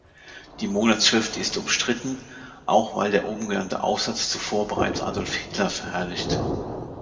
Die Monatsschrift ist umstritten, auch weil der obengenannte Aufsatz zuvor bereits Adolf Hitler verherrlicht.